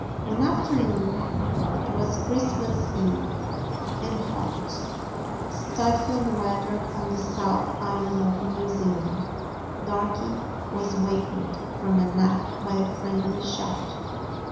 One afternoon — it was Christmas Eve, and hot, stifling weather on the South Island of New Zealand — Darky was awakened from a nap by a friendly shout.